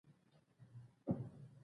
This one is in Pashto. امریکايانو د ډېرو کورنيو تخم وکيښ.